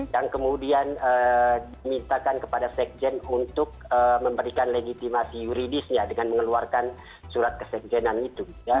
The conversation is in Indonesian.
dan kemudian dimintakan kepada sekjen untuk memberikan legitimasi yuridisnya dengan mengeluarkan surat kesekjenan itu